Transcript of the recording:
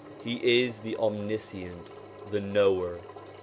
He is the Omniscient, the Knower.'